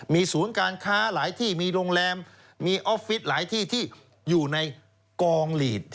มีศูนย์การค้าหลายที่มีโรงแรมมีออฟฟิศหลายที่ที่อยู่ในกองหลีด